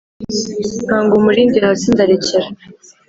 Nkanga umurindi hasi, ndarekera